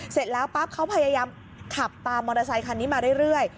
เสร็จแล้วปั๊บเขาพยายามขับตามมอเตอร์ไซคันนี้มาเรื่อย